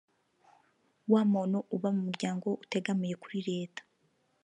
Wa muntu uba mu muryango utegamiye kuri leta